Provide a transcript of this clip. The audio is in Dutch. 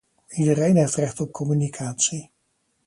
Iedereen heeft recht op communicatie.